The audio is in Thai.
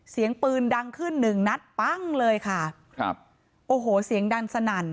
เสียงปืนดังขึ้นหนึ่งนัดปั้งเลยค่ะครับโอ้โหเสียงดังสนั่น